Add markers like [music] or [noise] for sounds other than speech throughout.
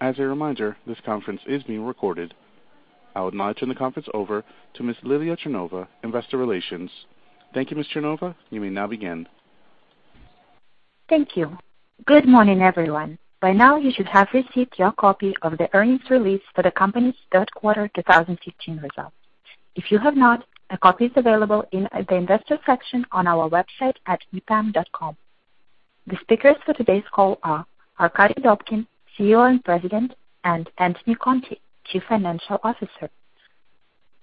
As a reminder, this conference is being recorded. I would now turn the conference over to Ms. Lilia Chernova, Investor Relations. Thank you, Ms. Chernova. You may now begin. Thank you. Good morning, everyone. By now, you should have received your copy of the earnings release for the company's third quarter 2015 results. If you have not, a copy is available in the investor section on our website at epam.com. The speakers for today's call are Arkadiy Dobkin, CEO and President, and Anthony Conte, Chief Financial Officer.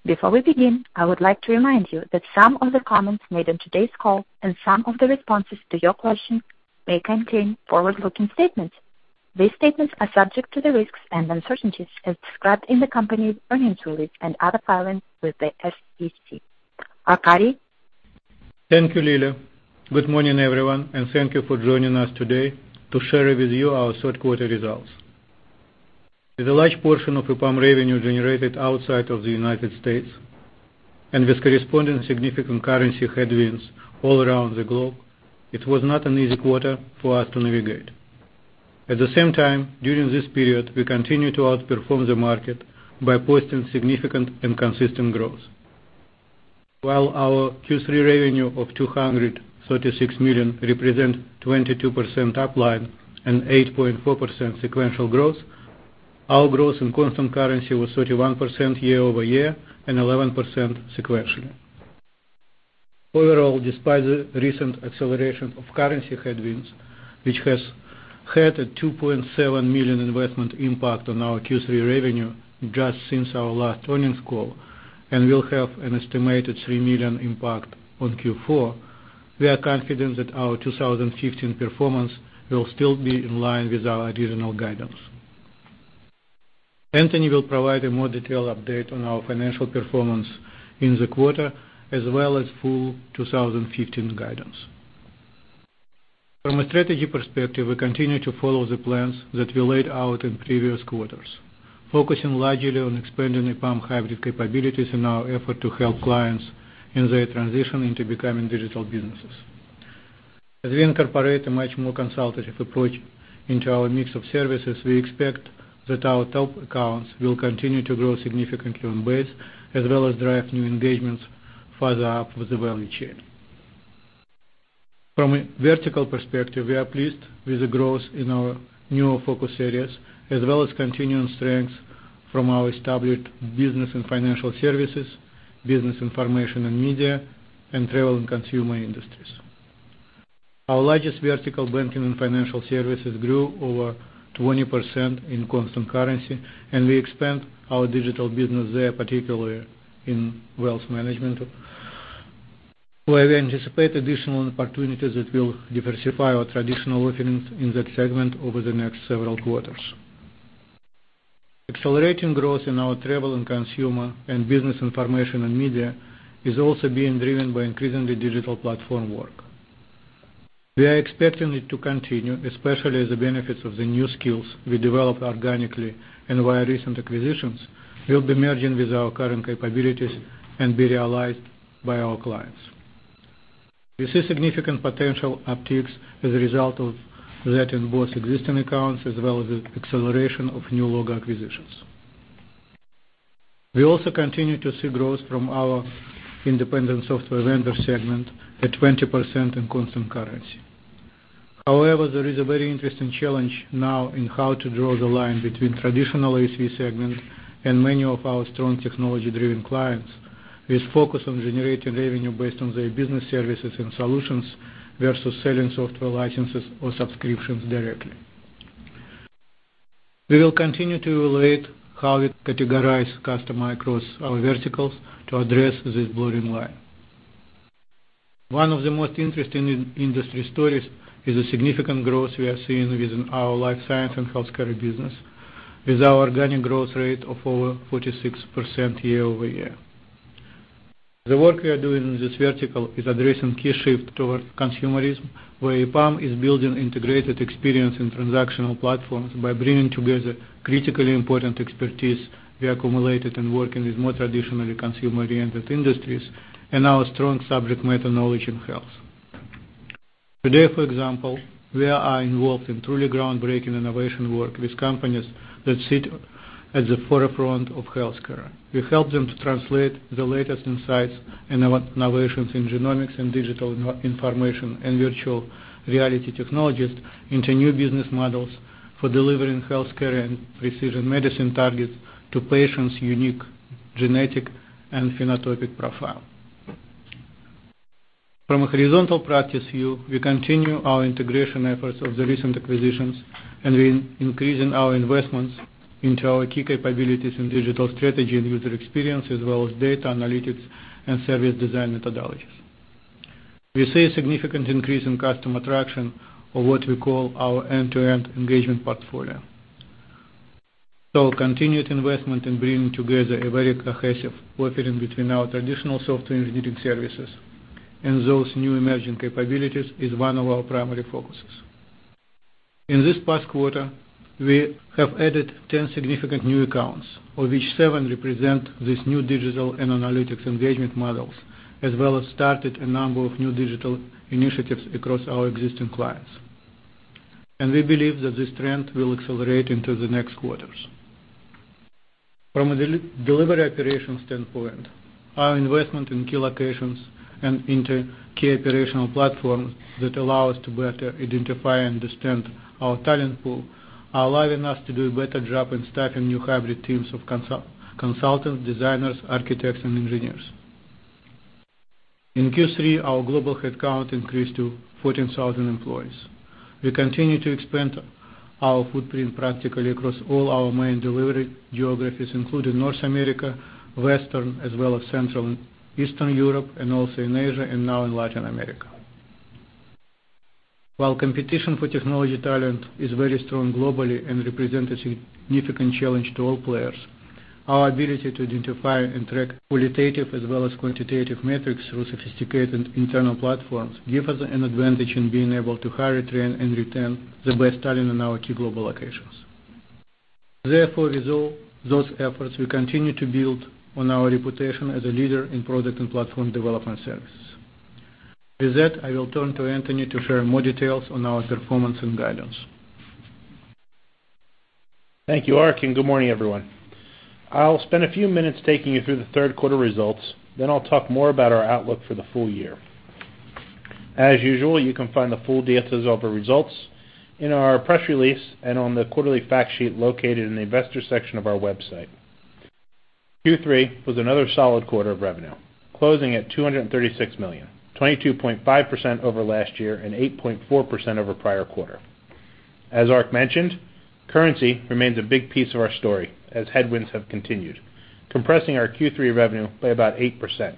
Before we begin, I would like to remind you that some of the comments made on today's call and some of the responses to your question may contain forward-looking statements. These statements are subject to the risks and uncertainties as described in the company's earnings release and other filings with the SEC. Arkadiy? Thank you, Lilia. Good morning, everyone, and thank you for joining us today to share with you our third quarter results. With a large portion of EPAM revenue generated outside of the United States and with corresponding significant currency headwinds all around the globe, it was not an easy quarter for us to navigate. At the same time, during this period, we continue to outperform the market by posting significant and consistent growth. While our Q3 revenue of $236 million represents 22% year-over-year and 8.4% sequential growth, our growth in constant currency was 31% year-over-year and 11% sequentially. Overall, despite the recent acceleration of currency headwinds, which has had a $2.7 million investment impact on our Q3 revenue just since our last earnings call and will have an estimated $3 million impact on Q4, we are confident that our 2015 performance will still be in line with our original guidance. Anthony will provide a more detailed update on our financial performance in the quarter as well as full 2015 guidance. From a strategy perspective, we continue to follow the plans that we laid out in previous quarters, focusing largely on expanding EPAM hybrid capabilities in our effort to help clients in their transition into becoming digital businesses. As we incorporate a much more consultative approach into our mix of services, we expect that our top accounts will continue to grow significantly on base as well as drive new engagements further up with the value chain. From a vertical perspective, we are pleased with the growth in our newer focus areas as well as continuing strengths from our established business and financial services, business information and media, and travel and consumer industries. Our largest vertical, banking and financial services, grew over 20% in constant currency, and we expand our digital business there, particularly in wealth management, where we anticipate additional opportunities that will diversify our traditional offerings in that segment over the next several quarters. Accelerating growth in our travel and consumer and business information and media is also being driven by increasingly digital platform work. We are expecting it to continue, especially as the benefits of the new skills we developed organically and via recent acquisitions will be merging with our current capabilities and be realized by our clients. We see significant potential upticks as a result of that in both existing accounts as well as the acceleration of new logo acquisitions. We also continue to see growth from our independent software vendor segment at 20% in constant currency. However, there is a very interesting challenge now in how to draw the line between traditional ISV segment and many of our strong technology-driven clients with focus on generating revenue based on their business services and solutions versus selling software licenses or subscriptions directly. We will continue to evaluate how we categorize customers across our verticals to address this blurring line. One of the most interesting industry stories is the significant growth we are seeing within our life science and healthcare business with our organic growth rate of over 46% year-over-year. The work we are doing in this vertical is addressing key shifts toward consumerism, where EPAM is building integrated experience and transactional platforms by bringing together critically important expertise we accumulated in working with more traditionally consumer-oriented industries and our strong subject matter knowledge in health. Today, for example, we are involved in truly groundbreaking innovation work with companies that sit at the forefront of healthcare. We help them to translate the latest insights and innovations in genomics and digital information and virtual reality technologies into new business models for delivering healthcare and precision medicine targets to patients' unique genetic and phenotypic profile. From a horizontal practice view, we continue our integration efforts of the recent acquisitions, and we're increasing our investments into our key capabilities in digital strategy and user experience as well as data analytics and service design methodologies. We see a significant increase in customer traction of what we call our end-to-end engagement portfolio. So, continued investment in bringing together a very cohesive offering between our traditional software engineering services and those new emerging capabilities is one of our primary focuses. In this past quarter, we have added 10 significant new accounts, of which seven represent these new digital and analytics engagement models, as well as started a number of new digital initiatives across our existing clients. We believe that this trend will accelerate into the next quarters. From a delivery operations standpoint, our investment in key locations and into key operational platforms that allow us to better identify and understand our talent pool are allowing us to do a better job in staffing new hybrid teams of consultants, designers, architects, and engineers. In Q3, our global headcount increased to 14,000 employees. We continue to expand our footprint practically across all our main delivery geographies, including North America, Western Europe, as well as Central and Eastern Europe, and also in Asia and now in Latin America. While competition for technology talent is very strong globally and represents a significant challenge to all players, our ability to identify and track qualitative as well as quantitative metrics through sophisticated internal platforms gives us an advantage in being able to hire, train, and retain the best talent in our key global locations. Therefore, with all those efforts, we continue to build on our reputation as a leader in product and platform development services. With that, I will turn to Anthony to share more details on our performance and guidance. Thank you, Arkadiy. Good morning, everyone. I'll spend a few minutes taking you through the third quarter results, then I'll talk more about our outlook for the full year. As usual, you can find the full details of our results in our press release and on the quarterly fact sheet located in the investor section of our website. Q3 was another solid quarter of revenue, closing at $236 million, 22.5% over last year and 8.4% over prior quarter. As Arkadiy mentioned, currency remains a big piece of our story as headwinds have continued, compressing our Q3 revenue by about 8%,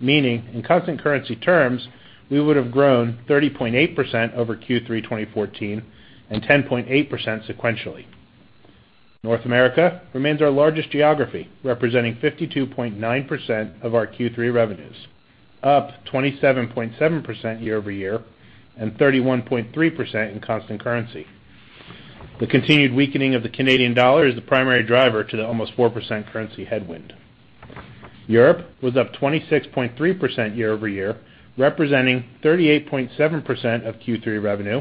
meaning, in Constant Currency terms, we would have grown 30.8% over Q3 2014 and 10.8% sequentially. North America remains our largest geography, representing 52.9% of our Q3 revenues, up 27.7% year-over-year and 31.3% in constant currency. The continued weakening of the Canadian dollar is the primary driver to the almost 4% currency headwind. Europe was up 26.3% year-over-year, representing 38.7% of Q3 revenue.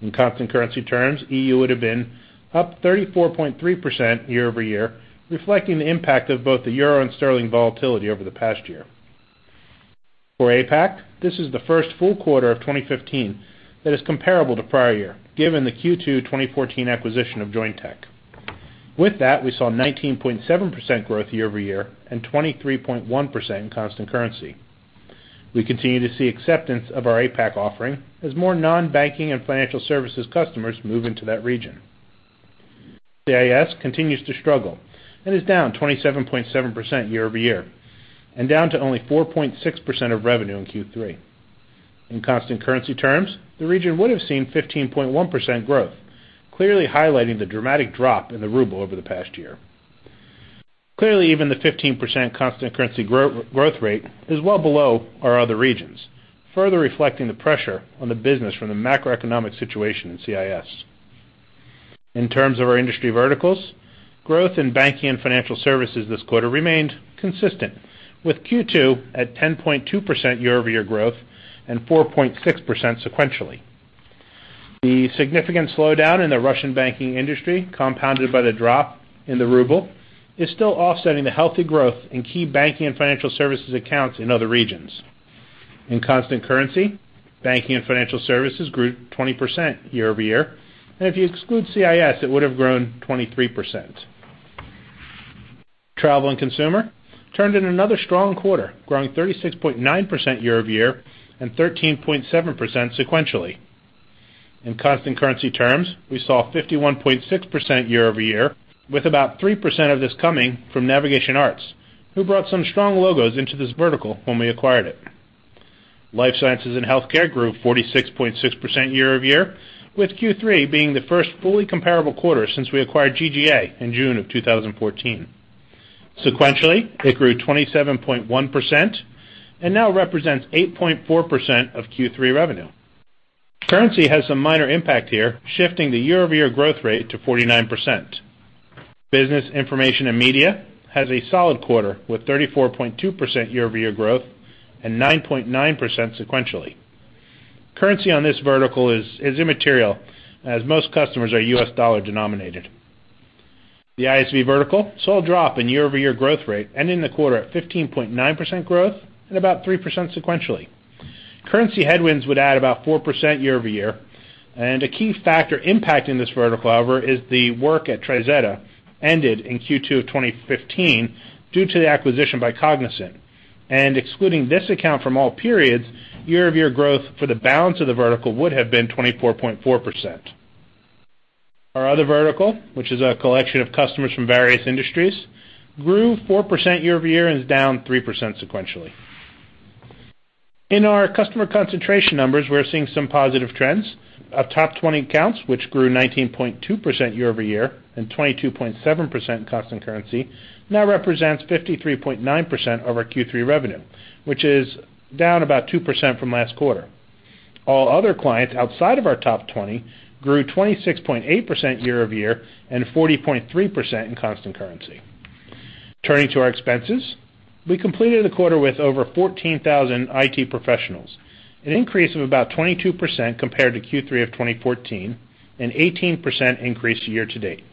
In constant currency terms, EU would have been up 34.3% year-over-year, reflecting the impact of both the euro and sterling volatility over the past year. For APAC, this is the first full quarter of 2015 that is comparable to prior year, given the Q2 2014 acquisition of Jointech. With that, we saw 19.7% growth year-over-year and 23.1% in constant currency. We continue to see acceptance of our APAC offering as more non-banking and financial services customers move into that region. CIS continues to struggle and is down 27.7% year-over-year and down to only 4.6% of revenue in Q3. In constant currency terms, the region would have seen 15.1% growth, clearly highlighting the dramatic drop in the ruble over the past year. Clearly, even the 15% constant currency growth rate is well below our other regions, further reflecting the pressure on the business from the macroeconomic situation in CIS. In terms of our industry verticals, growth in banking and financial services this quarter remained consistent, with Q2 at 10.2% year-over-year growth and 4.6% sequentially. The significant slowdown in the Russian banking industry, compounded by the drop in the ruble, is still offsetting the healthy growth in key banking and financial services accounts in other regions. In constant currency, banking and financial services grew 20% year-over-year, and if you exclude CIS, it would have grown 23%. Travel and consumer turned in another strong quarter, growing 36.9% year-over-year and 13.7% sequentially. In constant currency terms, we saw 51.6% year-over-year, with about 3% of this coming from NavigationArts, who brought some strong logos into this vertical when we acquired it. Life sciences and healthcare grew 46.6% year-over-year, with Q3 being the first fully comparable quarter since we acquired GGA in June of 2014. Sequentially, it grew 27.1% and now represents 8.4% of Q3 revenue. Currency has some minor impact here, shifting the year-over-year growth rate to 49%. Business, information, and media has a solid quarter with 34.2% year-over-year growth and 9.9% sequentially. Currency on this vertical is immaterial, as most customers are U.S. dollar denominated. The ISV vertical saw a drop in year-over-year growth rate, ending the quarter at 15.9% growth and about 3% sequentially. Currency headwinds would add about 4% year-over-year. A key factor impacting this vertical, however, is the work at TriZetto ended in Q2 of 2015 due to the acquisition by Cognizant. Excluding this account from all periods, year-over-year growth for the balance of the vertical would have been 24.4%. Our other vertical, which is a collection of customers from various industries, grew 4% year-over-year and is down 3% sequentially. In our customer concentration numbers, we're seeing some positive trends. Our top 20 accounts, which grew 19.2% year-over-year and 22.7% in constant currency, now represents 53.9% of our Q3 revenue, which is down about 2% from last quarter. All other clients outside of our top 20 grew 26.8% year-over-year and 40.3% in constant currency. Turning to our expenses, we completed the quarter with over 14,000 IT professionals, an increase of about 22% compared to Q3 of 2014, an 18% increase year-to-date.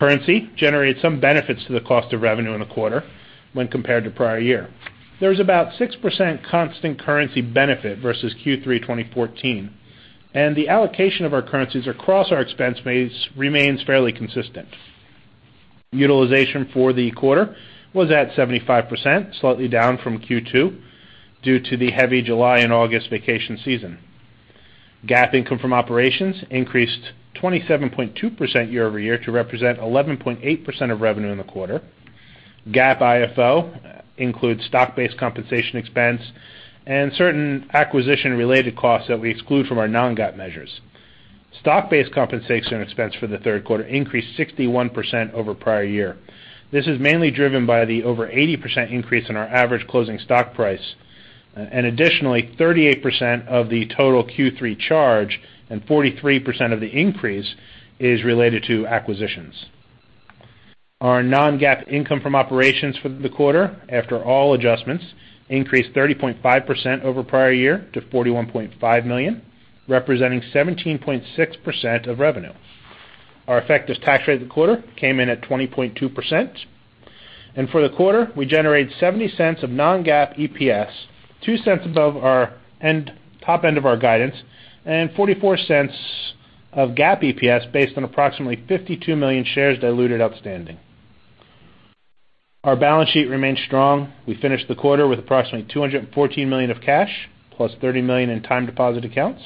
Currency generated some benefits to the cost of revenue in the quarter when compared to prior year. There was about 6% constant currency benefit versus Q3 2014, and the allocation of our currencies across our expense base remains fairly consistent. Utilization for the quarter was at 75%, slightly down from Q2 due to the heavy July and August vacation season. GAAP income from operations increased 27.2% year-over-year to represent 11.8% of revenue in the quarter. GAAP IFO includes stock-based compensation expense and certain acquisition-related costs that we exclude from our non-GAAP measures. Stock-based compensation expense for the third quarter increased 61% over prior year. This is mainly driven by the over 80% increase in our average closing stock price. Additionally, 38% of the total Q3 charge and 43% of the increase is related to acquisitions. Our non-GAAP income from operations for the quarter, after all adjustments, increased 30.5% over prior year to $41.5 million, representing 17.6% of revenue. Our effective tax rate of the quarter came in at 20.2%. For the quarter, we generated $0.70 of non-GAAP EPS, $0.02 above our top end of our guidance, and $0.44 of GAAP EPS based on approximately 52 million shares diluted outstanding. Our balance sheet remained strong. We finished the quarter with approximately $214 million of cash plus $30 million in time deposit accounts.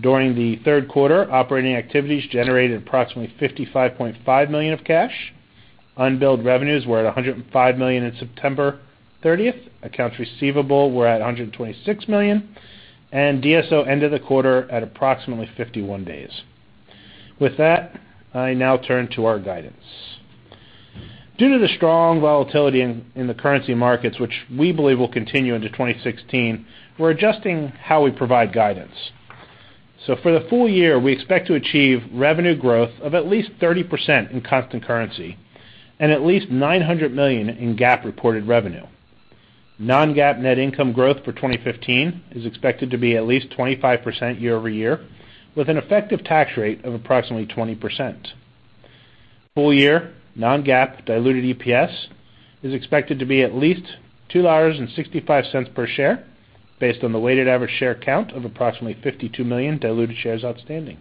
During the third quarter, operating activities generated approximately $55.5 million of cash. Unbilled revenues were at $105 million as of September 30th. Accounts receivable were at $126 million. DSO ended the quarter at approximately 51 days. With that, I now turn to our guidance. Due to the strong volatility in the currency markets, which we believe will continue into 2016, we're adjusting how we provide guidance. For the full year, we expect to achieve revenue growth of at least 30% in constant currency and at least $900 million in GAAP reported revenue. Non-GAAP net income growth for 2015 is expected to be at least 25% year-over-year, with an effective tax rate of approximately 20%. Full-year non-GAAP diluted EPS is expected to be at least $2.65 per share based on the weighted average share count of approximately 52 million diluted shares outstanding.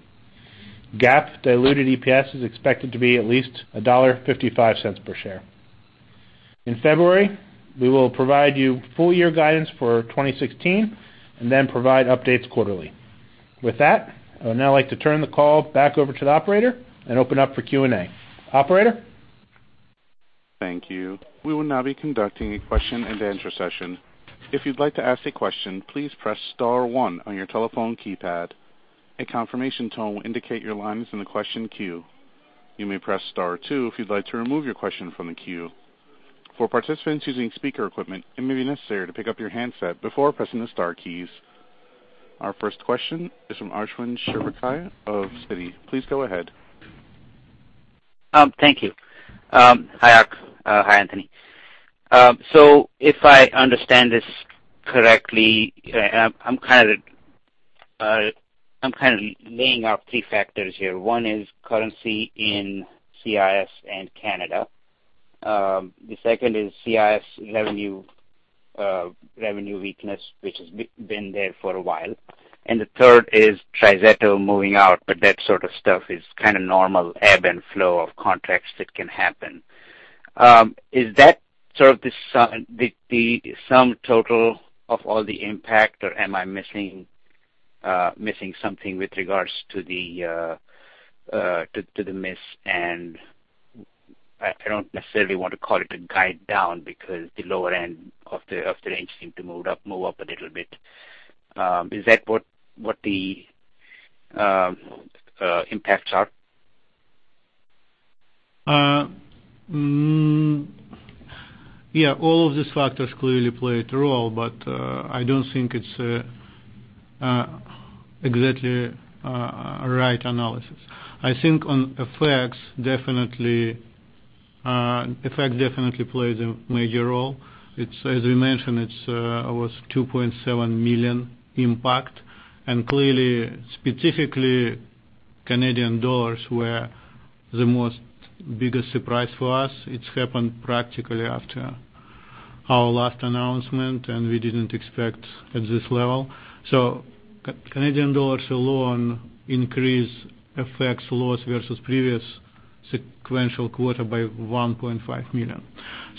GAAP diluted EPS is expected to be at least $1.55 per share. In February, we will provide you full-year guidance for 2016 and then provide updates quarterly. With that, I would now like to turn the call back over to the operator and open up for Q&A. Operator? Thank you. We will now be conducting a question-and-answer session. If you'd like to ask a question, please press star one on your telephone keypad. A confirmation tone will indicate your line is in the question queue. You may press star two if you'd like to remove your question from the queue. For participants using speaker equipment, it may be necessary to pick up your handset before pressing the star keys. Our first question is from Ashwin Shirvaikar of Citi. Please go ahead. Thank you. Hi, Ark. Hi, Anthony. So if I understand this correctly, and I'm kind of laying out three factors here. One is currency in CIS and Canada. The second is CIS revenue weakness, which has been there for a while. And the third is TriZetto moving out, but that sort of stuff is kind of normal ebb and flow of contracts that can happen. Is that sort of the sum total of all the impact, or am I missing something with regards to the miss? And I don't necessarily want to call it a guide down because the lower end of the range seemed to move up a little bit. Is that what the impacts are? Yeah, all of these factors clearly play a role, but I don't think it's exactly a right analysis. I think on effects, effects definitely play the major role. As we mentioned, it was $2.7 million impact. And clearly, specifically, Canadian dollars were the biggest surprise for us. It happened practically after our last announcement, and we didn't expect at this level. So Canadian dollars alone increase FX loss versus previous sequential quarter by $1.5 million.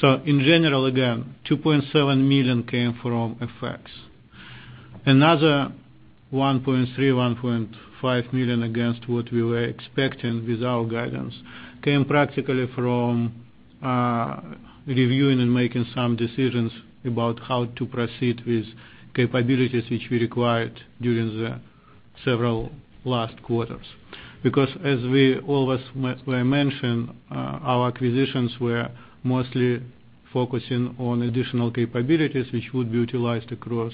So in general, again, $2.7 million came from FX. Another $1.3 million-$1.5 million against what we were expecting with our guidance came practically from reviewing and making some decisions about how to proceed with capabilities which we required during the several last quarters. Because as we always mentioned, our acquisitions were mostly focusing on additional capabilities which would be utilized across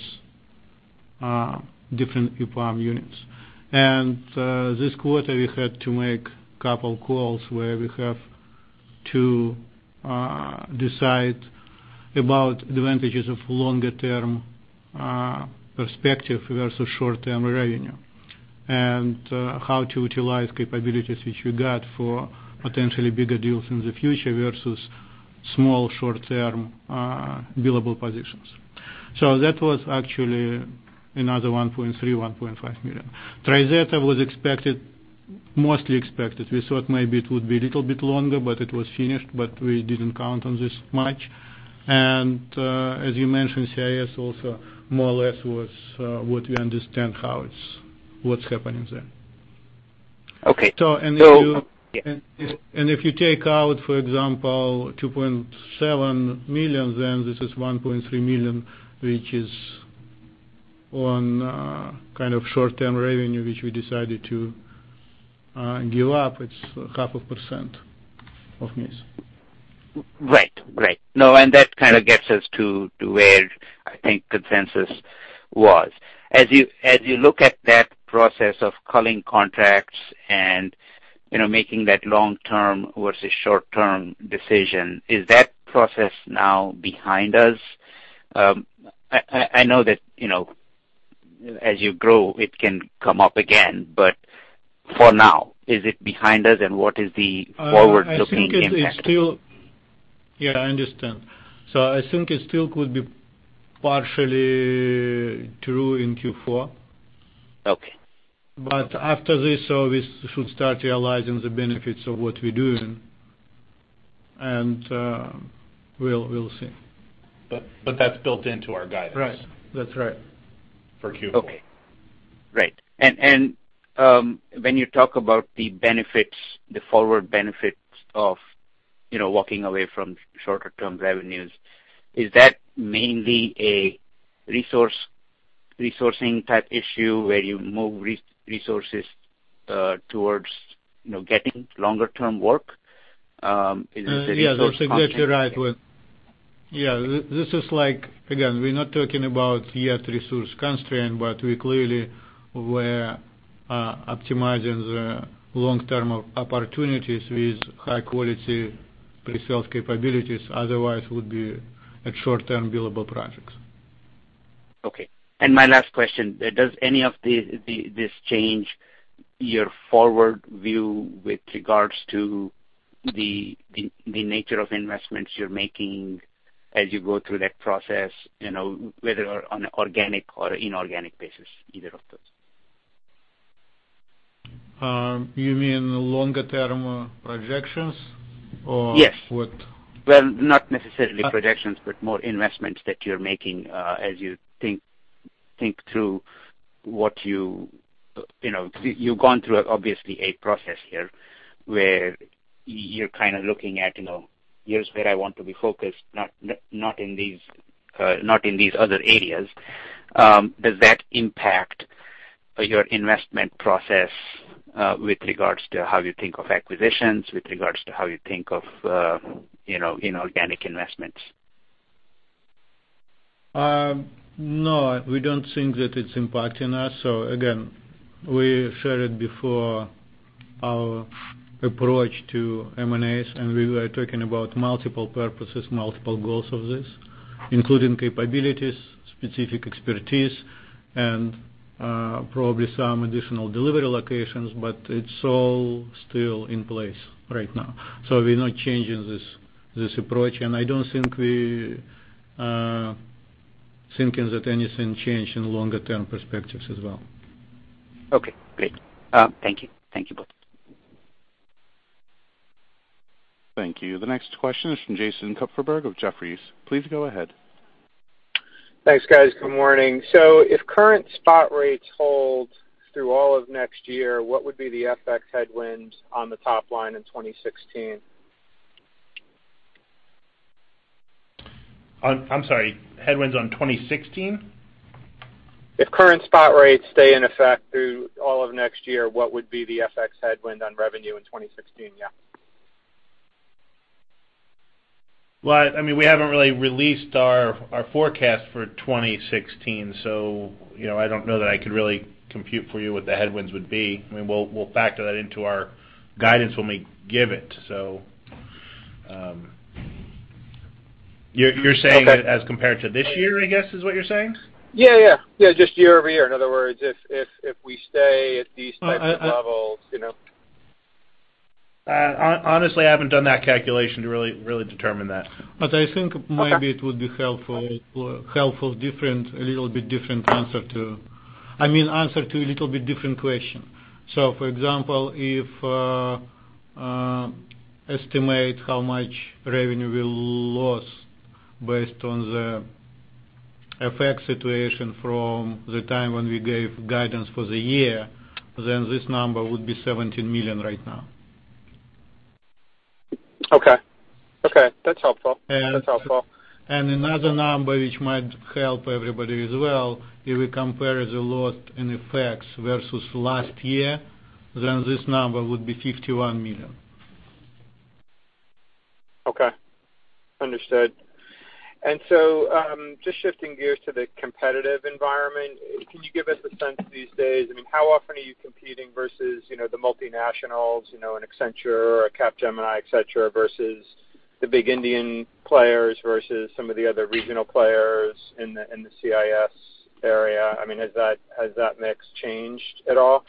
different EPAM units. This quarter, we had to make a couple of calls where we have to decide about the advantages of longer-term perspective versus short-term revenue and how to utilize capabilities which we got for potentially bigger deals in the future versus small, short-term billable positions. So that was actually another $1.3 million-$1.5 million. TriZetto was mostly expected. We thought maybe it would be a little bit longer, but it was finished, but we didn't count on this much. And as you mentioned, CIS also more or less was what we understand how it's what's happening there. Okay [crosstalk] If you take out, for example, $2.7 million, then this is $1.3 million, which is on kind of short-term revenue which we decided to give up. It's 0.5% of miss. Right. Great. No, and that kind of gets us to where I think consensus was. As you look at that process of calling contracts and making that long-term versus short-term decision, is that process now behind us? I know that as you grow, it can come up again, but for now, is it behind us, and what is the forward-looking [crosstalk] impact? I think it's still, yeah, I understand. So I think it still could be partially true in Q4. But after this, we should start realizing the benefits of what we're doing, and we'll see. That's built into our guidance. Right. That's right. For Q4. Okay. Great. And when you talk about the forward benefits of walking away from shorter-term revenues, is that mainly a resourcing-type issue where you move resources towards getting longer-term work? Is this [crosstalk] a resource constraint? Yeah, that's exactly right. Yeah, this is like, again, we're not talking about yet resource constraint, but we clearly were optimizing the long-term opportunities with high-quality presales capabilities otherwise would be at short-term billable projects. Okay. My last question, does any of this change your forward view with regards to the nature of investments you're making as you go through that process, whether on an organic or inorganic basis, either of those? You mean longer-term projections, or what? Yes. Well, not necessarily projections, but more investments that you're making as you think through what you because you've gone through, obviously, a process here where you're kind of looking at, "Here's where I want to be focused, not in these other areas." Does that impact your investment process with regards to how you think of acquisitions, with regards to how you think of inorganic investments? No, we don't think that it's impacting us. So again, we shared it before, our approach to M&As, and we were talking about multiple purposes, multiple goals of this, including capabilities, specific expertise, and probably some additional delivery locations, but it's all still in place right now. So we're not changing this approach, and I don't think we're thinking that anything changed in longer-term perspectives as well. Okay. Great. Thank you. Thank you both. Thank you. The next question is from Jason Kupferberg of Jefferies. Please go ahead. Thanks, guys. Good morning. If current spot rates hold through all of next year, what would be the FX headwinds on the top line in 2016? I'm sorry. Headwinds on 2016? If current spot rates stay in effect through all of next year, what would be the FX headwind on revenue in 2016? Yeah. Well, I mean, we haven't really released our forecast for 2016, so I don't know that I could really compute for you what the headwinds would be. I mean, we'll factor that into our guidance when we give it, so. You're saying that as compared to this year, I guess, is what you're saying? Yeah, yeah. Yeah, just year-over-year. In other words, if we stay at [crosstalk] these types of levels. Honestly, I haven't done that calculation to really determine that. I think maybe it would be helpful, a little bit different answer to, I mean, answer to a little bit different question. For example, if estimate how much revenue we lost based on the effect situation from the time when we gave guidance for the year, then this number would be $17 million right now. Okay. Okay. That's helpful. That's helpful. Another number which might help everybody as well, if we compare the FX effects versus last year, then this number would be $51 million. Okay. Understood. And so just shifting gears to the competitive environment, can you give us a sense these days? I mean, how often are you competing versus the multinationals, an Accenture, a Capgemini, etc., versus the big Indian players versus some of the other regional players in the CIS area? I mean, has that mix changed at all?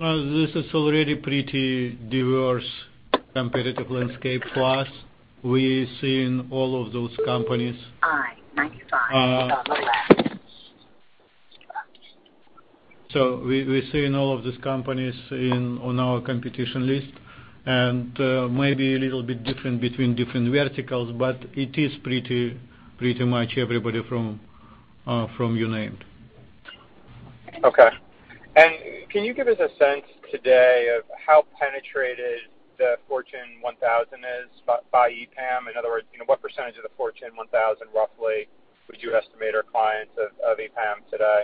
Well, this is already pretty diverse competitive landscape for us. We're seeing all of those companies. We're seeing all of these companies on our competition list and maybe a little bit different between different verticals, but it is pretty much everybody you named. Okay. And can you give us a sense today of how penetrated the Fortune 1000 is by EPAM? In other words, what percentage of the Fortune 1000, roughly, would you estimate our clients of EPAM today?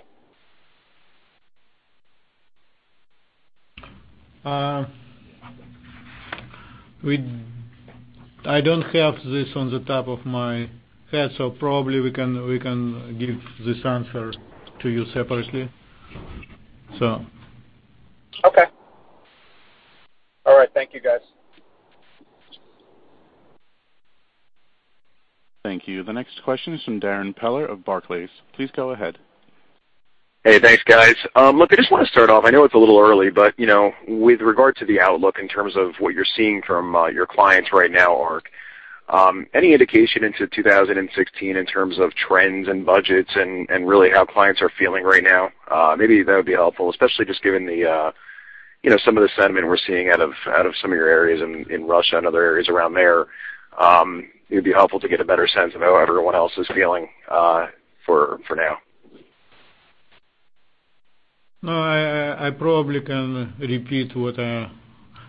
I don't have this on the top of my head, so probably we can give this answer to you separately, so. Okay. All right. Thank you, guys. Thank you. The next question is from Darrin Peller of Barclays. Please go ahead. Hey, thanks, guys. Look, I just want to start off. I know it's a little early, but with regard to the outlook in terms of what you're seeing from your clients right now, Ark, any indication into 2016 in terms of trends and budgets and really how clients are feeling right now? Maybe that would be helpful, especially just given some of the sentiment we're seeing out of some of your areas in Russia and other areas around there. It would be helpful to get a better sense of how everyone else is feeling for now. No, I probably can repeat what I'm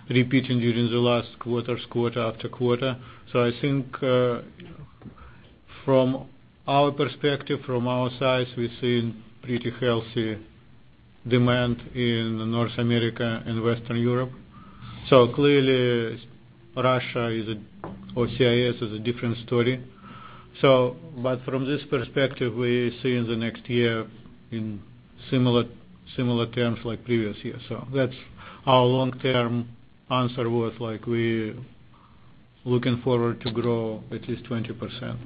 repeating during the last quarters, quarter after quarter. So I think from our perspective, from our side, we're seeing pretty healthy demand in North America and Western Europe. So clearly, Russia or CIS is a different story. But from this perspective, we're seeing the next year in similar terms like previous year. So that's our long-term answer was we're looking forward to grow at least 20%.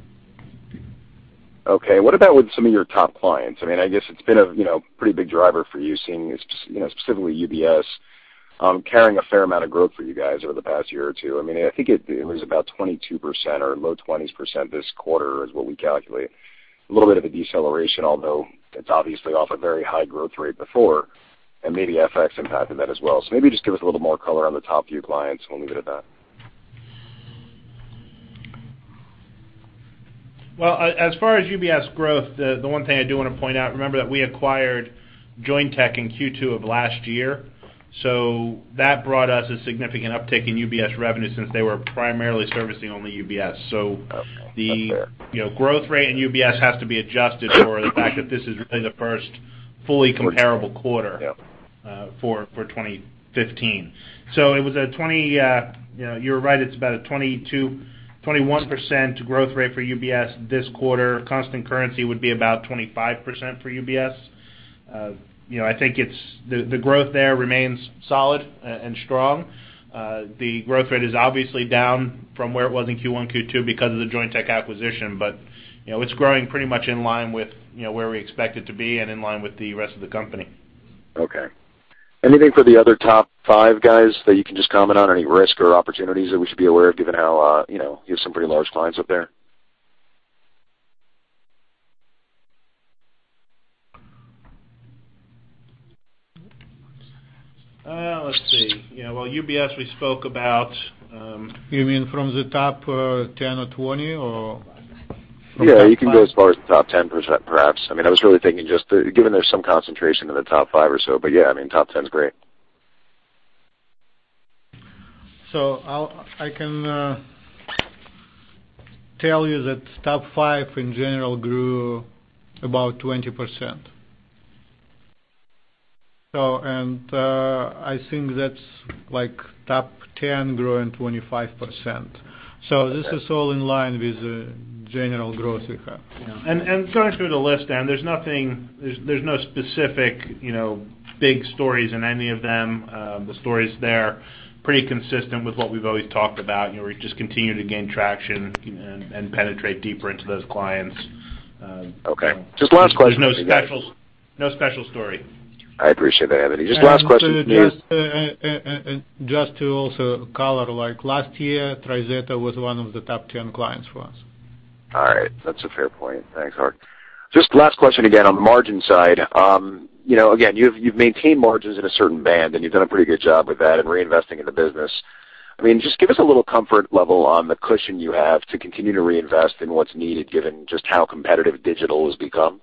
Okay. What about with some of your top clients? I mean, I guess it's been a pretty big driver for you, seeing specifically UBS carrying a fair amount of growth for you guys over the past year or two. I mean, I think it was about 22% or low 20s% this quarter is what we calculate. A little bit of a deceleration, although it's obviously off a very high growth rate before, and maybe effects impacted that as well. So maybe just give us a little more color on the top few clients, and we'll leave it at that. Well, as far as UBS growth, the one thing I do want to point out, remember that we acquired Jointech in Q2 of last year. So that brought us a significant uptick in UBS revenue since they were primarily servicing only UBS. So the growth rate in UBS has to be adjusted for the fact that this is really the first fully comparable quarter for 2015. So it was a 20%, you're right. It's about a 22, 21% growth rate for UBS this quarter. Constant Currency would be about 25% for UBS. I think the growth there remains solid and strong. The growth rate is obviously down from where it was in Q1, Q2 because of the Jointech acquisition, but it's growing pretty much in line with where we expect it to be and in line with the rest of the company. Okay. Anything for the other top five guys that you can just comment on, any risk or opportunities that we should be aware of given how you have some pretty large clients up there? Let's see. Well, UBS, we spoke about. You mean from the top 10 or 20, or from top 10? Yeah, you can go as far as the top 10 perhaps. I mean, I was really thinking just given there's some concentration in the top five or so, but yeah, I mean, top 10's great. I can tell you that top five, in general, grew about 20%. I think that's top 10 growing 25%. This is all in line with the general growth we have. Yeah. Going through the list, Dan, there's no specific big stories in any of them. The story's there pretty consistent with what we've always talked about. We've just continued to gain traction and penetrate deeper into those clients. Okay. Just last question? [crosstalk] There's no special story. I appreciate that, Anthony. Just last question. Just to also color, last year, TriZetto was one of the top 10 clients for us. All right. That's a fair point. Thanks, Ark. Just last question again on the margin side. Again, you've maintained margins in a certain band, and you've done a pretty good job with that and reinvesting in the business. I mean, just give us a little comfort level on the cushion you have to continue to reinvest in what's needed given just how competitive digital has become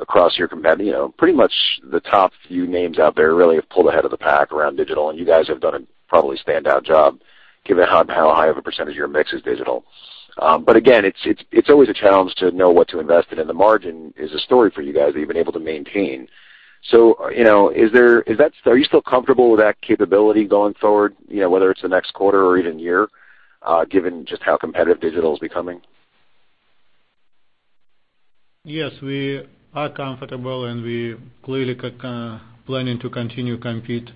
across your pretty much the top few names out there really have pulled ahead of the pack around digital, and you guys have done a probably standout job given how high of a percentage of your mix is digital. But again, it's always a challenge to know what to invest in, and the margin is a story for you guys that you've been able to maintain. Is that are you still comfortable with that capability going forward, whether it's the next quarter or even year given just how competitive digital is becoming? Yes, we are comfortable, and we're clearly planning to continue to compete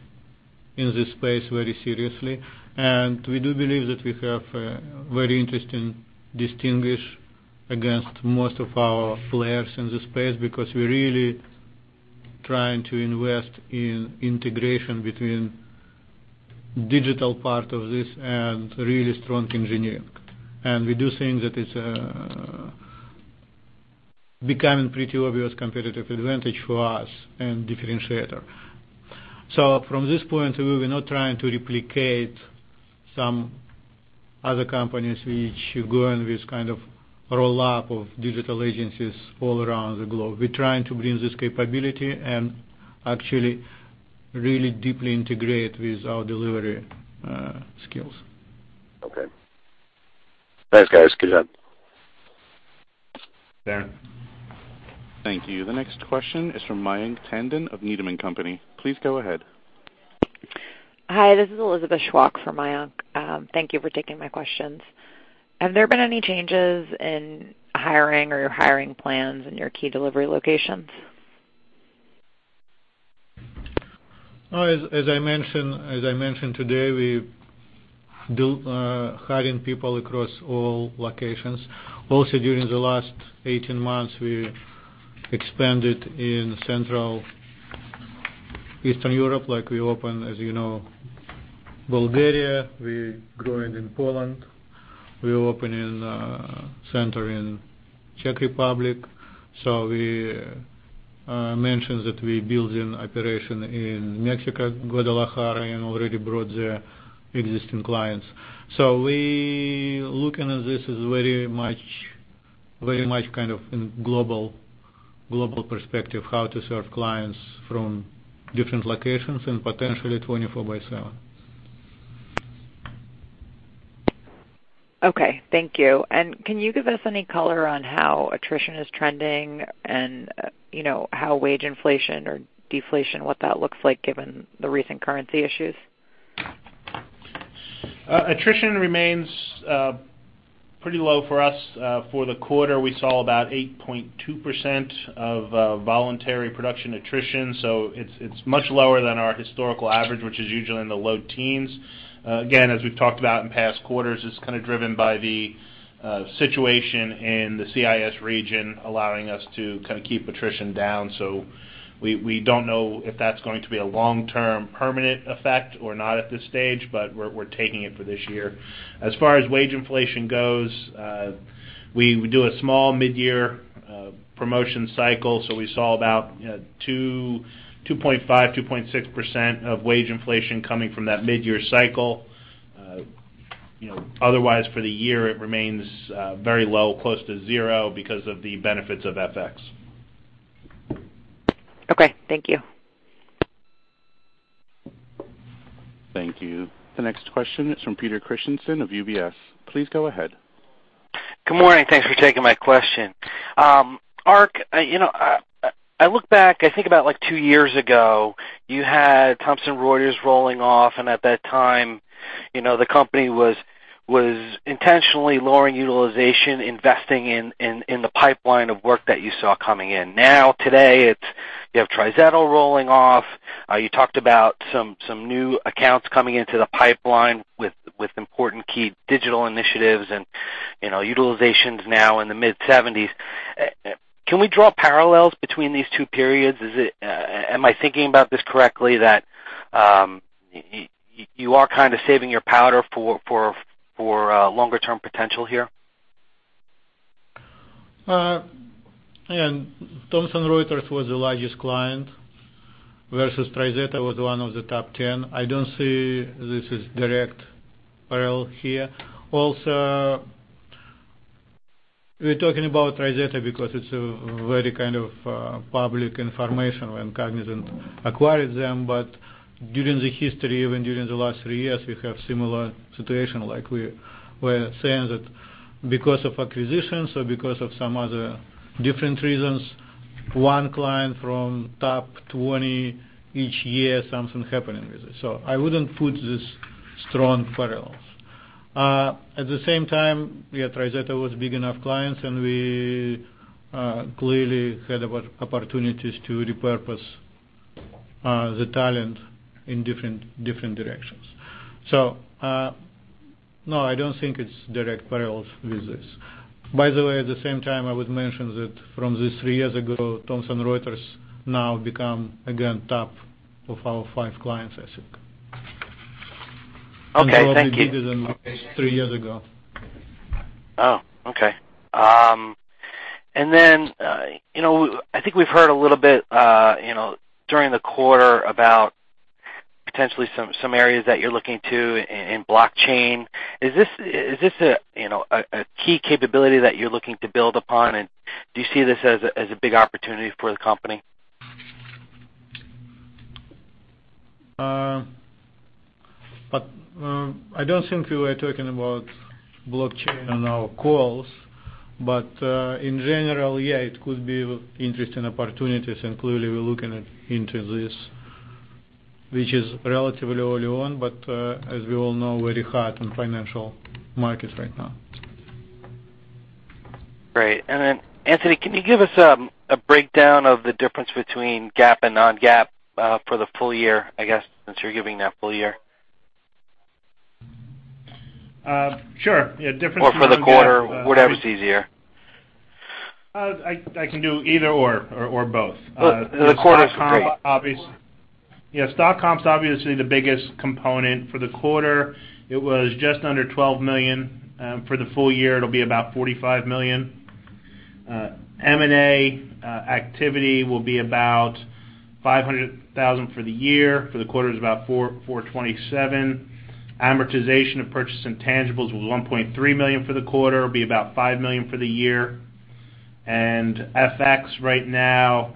in this space very seriously. We do believe that we have a very interesting distinction against most of our players in this space because we're really trying to invest in integration between digital part of this and really strong engineering. We do think that it's becoming pretty obvious competitive advantage for us and differentiator. From this point of view, we're not trying to replicate some other companies which are going with kind of roll-up of digital agencies all around the globe. We're trying to bring this capability and actually really deeply integrate with our delivery skills. Okay. Thanks, guys. Good job. Darrin. Thank you. The next question is from Mayank Tandon of Needham & Company. Please go ahead. Hi. This is Elizabeth Schwach for Mayank. Thank you for taking my questions. Have there been any changes in hiring or your hiring plans in your key delivery locations? As I mentioned today, we're hiring people across all locations. Also, during the last 18 months, we expanded in Central Eastern Europe. We opened, as you know, Bulgaria. We're growing in Poland. We're opening a center in the Czech Republic. So we mentioned that we're building operations in Mexico, Guadalajara, and already brought the existing clients. So we're looking at this as very much kind of in a global perspective, how to serve clients from different locations and potentially 24/7. Okay. Thank you. Can you give us any color on how attrition is trending and how wage inflation or deflation, what that looks like given the recent currency issues? Attrition remains pretty low for us. For the quarter, we saw about 8.2% of voluntary production attrition. So it's much lower than our historical average, which is usually in the low teens. Again, as we've talked about in past quarters, it's kind of driven by the situation in the CIS region allowing us to kind of keep attrition down. So we don't know if that's going to be a long-term permanent effect or not at this stage, but we're taking it for this year. As far as wage inflation goes, we do a small midyear promotion cycle. So we saw about 2.5%-2.6% of wage inflation coming from that midyear cycle. Otherwise, for the year, it remains very low, close to zero because of the benefits of effects. Okay. Thank you. Thank you. The next question is from Peter Christiansen of UBS. Please go ahead. Good morning. Thanks for taking my question. Ark, I look back. I think about two years ago, you had Thomson Reuters rolling off, and at that time, the company was intentionally lowering utilization, investing in the pipeline of work that you saw coming in. Now, today, you have TriZetto rolling off. You talked about some new accounts coming into the pipeline with important key digital initiatives and utilizations now in the mid-70s. Can we draw parallels between these two periods? Am I thinking about this correctly, that you are kind of saving your powder for longer-term potential here? Thomson Reuters was the largest client versus TriZetto was one of the top 10. I don't see this as a direct parallel here. Also, we're talking about TriZetto because it's a very kind of public information when Cognizant acquired them. During the history, even during the last three years, we have a similar situation. We're saying that because of acquisitions or because of some other different reasons, one client from top 20 each year, something's happening with it. I wouldn't put this as strong parallels. At the same time, yeah, TriZetto was big enough clients, and we clearly had opportunities to repurpose the talent in different directions. No, I don't think it's a direct parallel with this. By the way, at the same time, I would mention that from these three years ago, Thomson Reuters now become, again, top of our five clients, I think [crosstalk] Probably bigger than three years ago. Oh, okay. And then I think we've heard a little bit during the quarter about potentially some areas that you're looking to in blockchain. Is this a key capability that you're looking to build upon, and do you see this as a big opportunity for the company? I don't think we were talking about blockchain on our calls. But in general, yeah, it could be interesting opportunities, and clearly, we're looking into this, which is relatively early on, but as we all know, very hot in financial markets right now. Great. And then, Anthony, can you give us a breakdown of the difference between GAAP and non-GAAP for the full year, I guess, since you're giving that full year? Sure. Yeah, difference [crosstalk] for the full year. Or for the quarter, whatever's easier. I can do either/or or both [crosstalk] Stock comp, obviously. The quarter's great. Yeah, stock comp's obviously the biggest component. For the quarter, it was just under $12 million. For the full year, it'll be about $45 million. M&A activity will be about $500,000 for the year. For the quarter, it's about $427,000. Amortization of purchase intangibles will be $1.3 million for the quarter. It'll be about $5 million for the year. And effects right now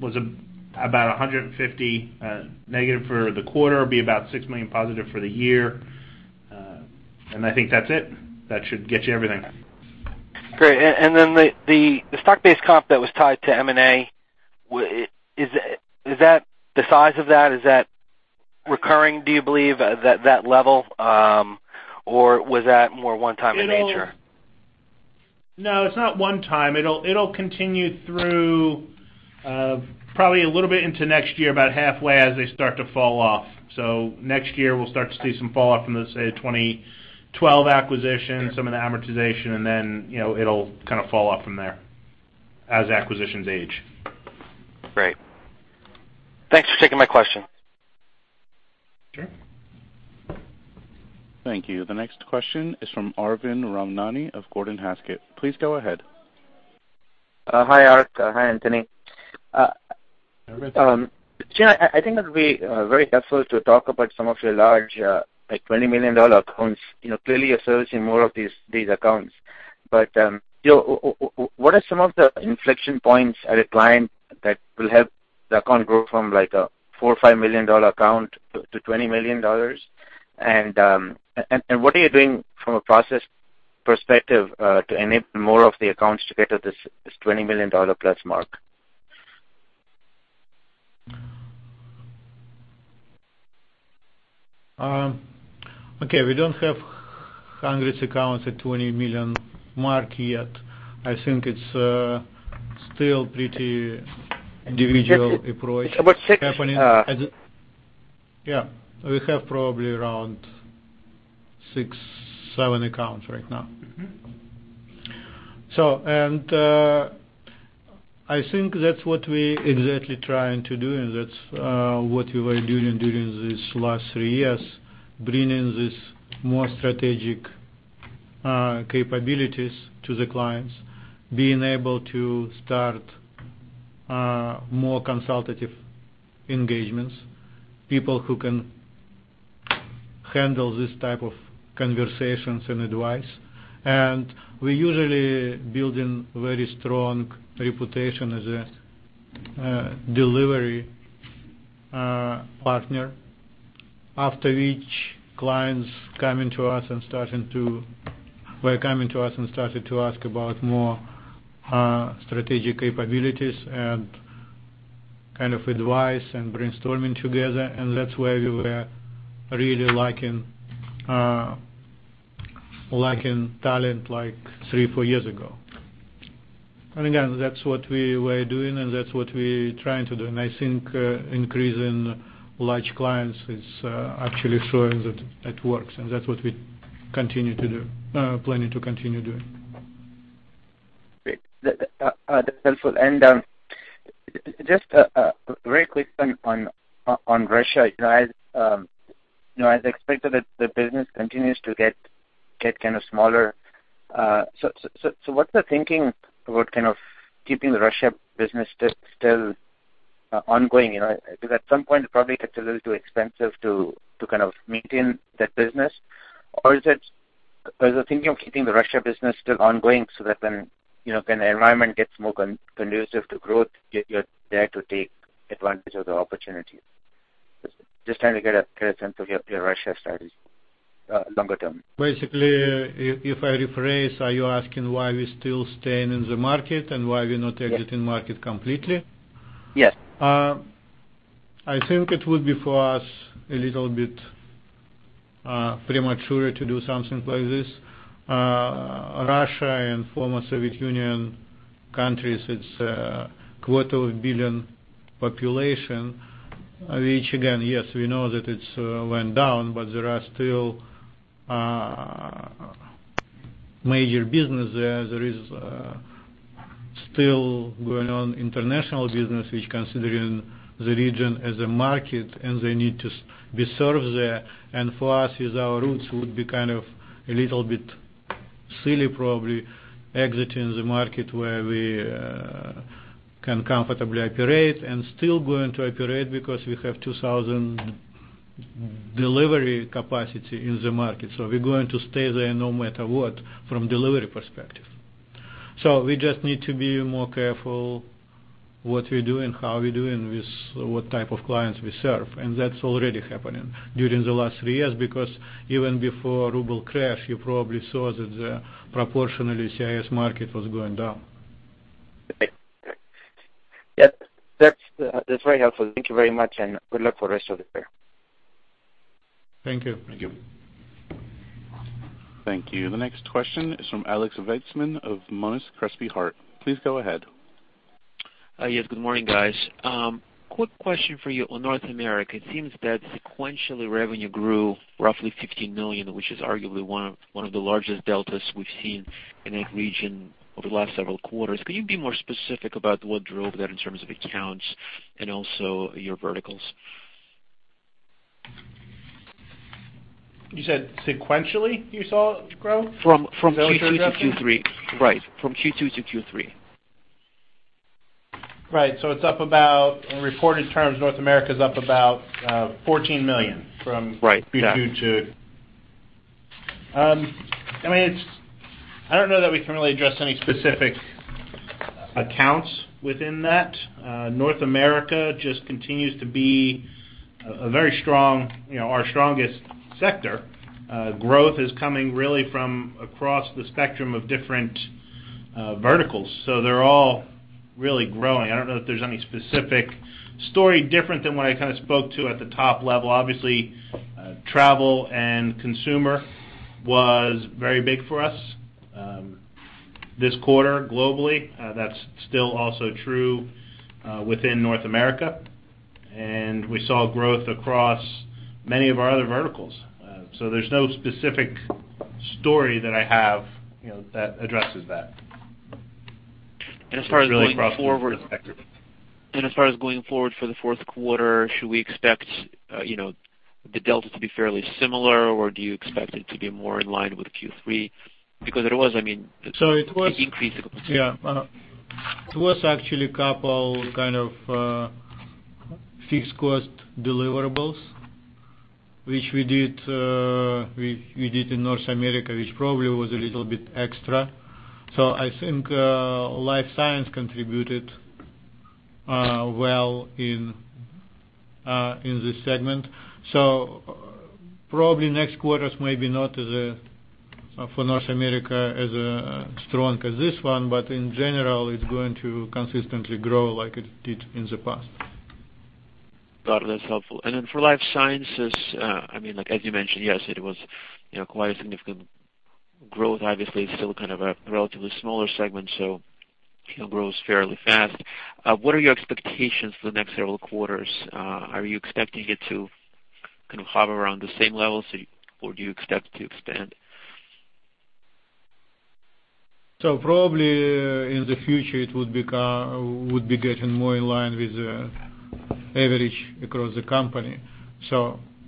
was about -$150,000 for the quarter. It'll be about +$6 million for the year. And I think that's it. That should get you everything. Great. And then the stock-based comp that was tied to M&A, is that the size of that? Is that recurring, do you believe, at that level, or was that more one-time in nature? No, it's not one-time. It'll continue through probably a little bit into next year, about halfway, as they start to fall off. So next year, we'll start to see some falloff from the, say, 2012 acquisition, some of the amortization, and then it'll kind of fall off from there as acquisitions age. Great. Thanks for taking my question. Sure. Thank you. The next question is from Arvind Ramnani of Gordon Haskett. Please go ahead. Hi, Ark. Hi, Anthony. Arvin. I think that it'll be very helpful to talk about some of your large $20 million accounts. Clearly, you're servicing more of these accounts. But what are some of the inflection points at a client that will help the account grow from a $4 million-$5 million account to $20 million? And what are you doing from a process perspective to enable more of the accounts to get to this $20 million+ mark? Okay. We don't have 100 accounts at the $20 million mark yet. I think it's still a pretty individual [crosstalk] approach happening. Yeah, we have probably around six, seven accounts right now. I think that's what we're exactly trying to do, and that's what we were doing during these last three years, bringing these more strategic capabilities to the clients, being able to start more consultative engagements, people who can handle this type of conversations and advice. We're usually building a very strong reputation as a delivery partner, after which clients come into us and starting to we're coming to us and starting to ask about more strategic capabilities and kind of advice and brainstorming together. That's where we were really lacking talent three, four years ago. Again, that's what we were doing, and that's what we're trying to do. I think increasing large clients, it's actually showing that it works. That's what we continue to do, planning to continue doing. Great. That's helpful. And just very quick on Russia. As expected, the business continues to get kind of smaller. So what's the thinking about kind of keeping the Russia business still ongoing? Because at some point, it probably gets a little too expensive to kind of maintain that business. Or is the thinking of keeping the Russia business still ongoing so that when the environment gets more conducive to growth, you're there to take advantage of the opportunities? Just trying to get a sense of your Russia strategy longer term. Basically, if I rephrase, are you asking why we're still staying in the market and why we're not exiting the market completely? Yes. I think it would be for us a little bit premature to do something like this. Russia and former Soviet Union countries, it's 250 million population, which, again, yes, we know that it went down, but there are still major businesses there. There is still going on international business, which, considering the region as a market, and they need to be served there. For us, with our roots, it would be kind of a little bit silly, probably, exiting the market where we can comfortably operate and still going to operate because we have 2,000 delivery capacity in the market. We're going to stay there no matter what from a delivery perspective. We just need to be more careful what we're doing, how we're doing, with what type of clients we serve. That's already happening during the last three years because even before the ruble crash, you probably saw that proportionally, the CIS market was going down. Okay. Yep. That's very helpful. Thank you very much, and good luck for the rest of the year. Thank you. Thank you. Thank you. The next question is from Alex Veytsman of Monness, Crespi, Hardt. Please go ahead. Yes. Good morning, guys. Quick question for you. In North America, it seems that sequentially, revenue grew roughly $15 million, which is arguably one of the largest deltas we've seen in that region over the last several quarters. Could you be more specific about what drove that in terms of accounts and also your verticals? You said sequentially you saw it grow? From Q2 to Q3. Right. From Q2 to Q3. Right. So it's up about, in reported terms, North America's up about $14 million from Q2 to, I mean, I don't know that we can really address any specific accounts within that. North America just continues to be our strongest sector. Growth is coming really from across the spectrum of different verticals. So they're all really growing. I don't know if there's any specific story different than what I kind of spoke to at the top level. Obviously, travel and consumer was very big for us this quarter globally. That's still also true within North America. And we saw growth across many of our other verticals. So there's no specific story that I have that addresses that. And as far as going forward. As far as going forward for the fourth quarter, should we expect the delta to be fairly similar, or do you expect it to be more in line with Q3? Because it was, I mean. So it was [crosstalk] It increased the. Yeah. It was actually a couple kind of fixed-cost deliverables, which we did in North America, which probably was a little bit extra. So I think life science contributed well in this segment. So probably next quarter's maybe not for North America as strong as this one, but in general, it's going to consistently grow like it did in the past. Got it. That's helpful. Then for life sciences, I mean, as you mentioned, yes, it was quite a significant growth. Obviously, it's still kind of a relatively smaller segment, so it grows fairly fast. What are your expectations for the next several quarters? Are you expecting it to kind of hover around the same levels, or do you expect it to expand? Probably in the future, it would be getting more in line with the average across the company.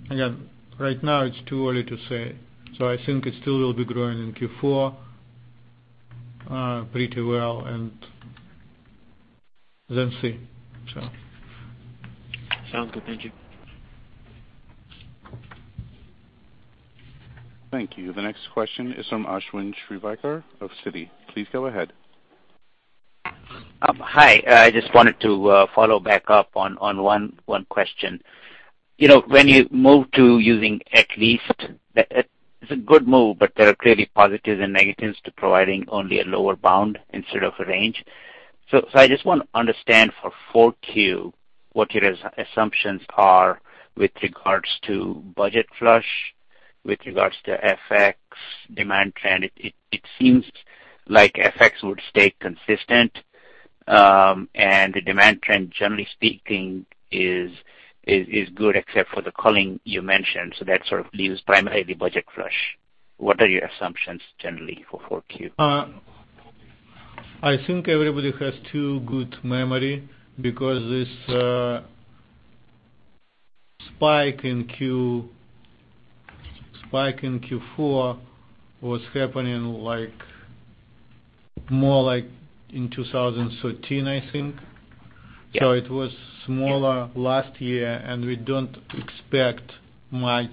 Again, right now, it's too early to say. I think it still will be growing in Q4 pretty well, and then see. Sounds good. Thank you. Thank you. The next question is from Ashwin Shirvaikar of Citi. Please go ahead. Hi. I just wanted to follow back up on one question. When you move to using at least it's a good move, but there are clearly positives and negatives to providing only a lower bound instead of a range. So I just want to understand for 4Q what your assumptions are with regards to budget flush, with regards to effects, demand trend. It seems like effects would stay consistent, and the demand trend, generally speaking, is good except for the culling you mentioned. So that sort of leaves primarily budget flush. What are your assumptions generally for 4Q? I think everybody has too good memory because this spike in Q4 was happening more in 2013, I think. So it was smaller last year, and we don't expect much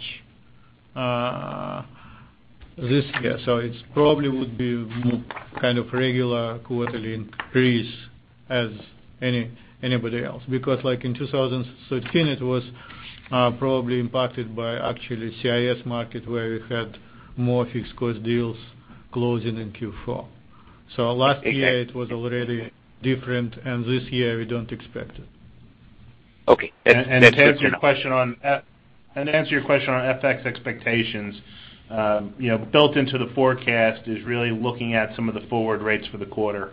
this year. So it probably would be kind of regular quarterly increase as anybody else because in 2013, it was probably impacted by actually the CIS market where we had more fixed-cost deals closing in Q4. So last year, it was already different, and this year, we don't expect it. Okay. To answer your question on effects expectations, built into the forecast is really looking at some of the forward rates for the quarter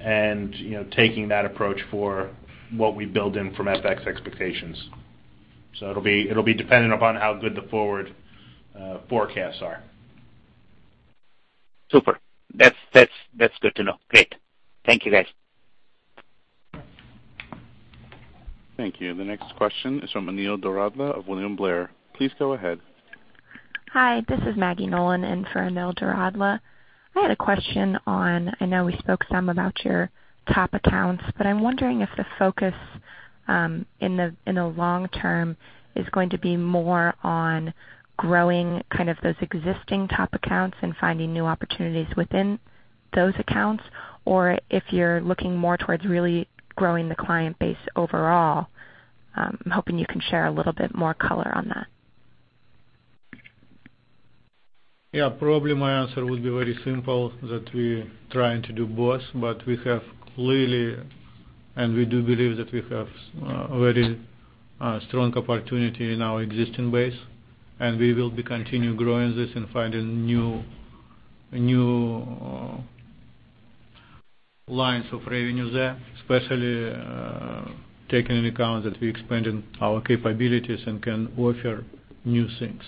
and taking that approach for what we build in from effects expectations. So it'll be dependent upon how good the forward forecasts are. Super. That's good to know. Great. Thank you, guys. Thank you. The next question is from Anil Doradla of William Blair. Please go ahead. Hi. This is Maggie Nolan in for Anil Doradla. I had a question on, I know we spoke some about your top accounts, but I'm wondering if the focus in the long term is going to be more on growing kind of those existing top accounts and finding new opportunities within those accounts, or if you're looking more towards really growing the client base overall. I'm hoping you can share a little bit more color on that. Yeah. Probably my answer would be very simple that we're trying to do both, but we have clearly and we do believe that we have a very strong opportunity in our existing base, and we will continue growing this and finding new lines of revenue there, especially taking into account that we're expanding our capabilities and can offer new things.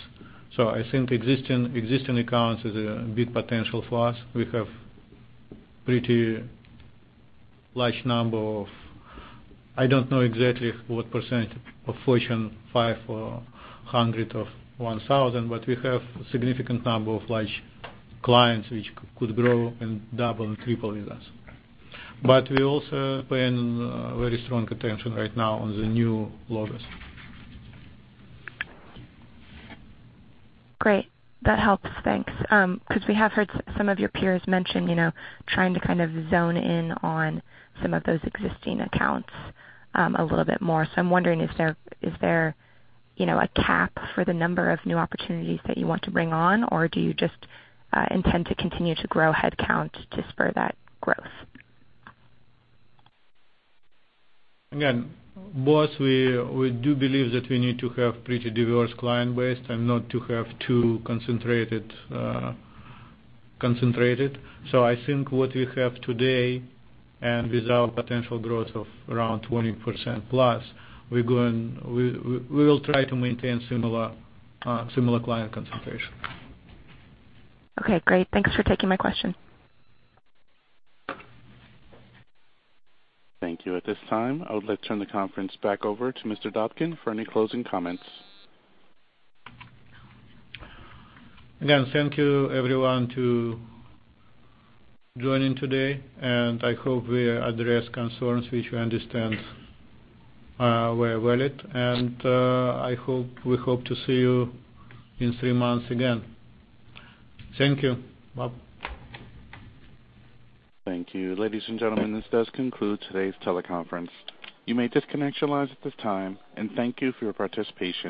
So I think existing accounts is a big potential for us. We have a pretty large number of. I don't know exactly what percentage of Fortune 500 or 1,000, but we have a significant number of large clients which could grow and double and triple with us. But we're also paying very strong attention right now on the new logos. Great. That helps. Thanks. Because we have heard some of your peers mention trying to kind of zone in on some of those existing accounts a little bit more. So I'm wondering, is there a cap for the number of new opportunities that you want to bring on, or do you just intend to continue to grow headcount to spur that growth? Again, both, we do believe that we need to have a pretty diverse client base and not to have too concentrated. So I think what we have today and with our potential growth of around 20%+, we will try to maintain similar client concentration. Okay. Great. Thanks for taking my question. Thank you. At this time, I would like to turn the conference back over to Mr. Dobkin for any closing comments. Again, thank you, everyone, for joining today. I hope we addressed concerns which we understand were valid. I hope we hope to see you in three months again. Thank you. Bye-bye. Thank you. Ladies and gentlemen, this does conclude today's teleconference. You may disconnect your lines at this time. Thank you for your participation.